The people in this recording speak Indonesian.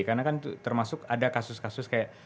karena kan termasuk ada kasus kasus kayak